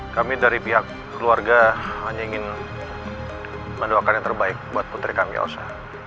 kami dari pihak keluarga hanya ingin mendoakan yang terbaik buat putri kami osa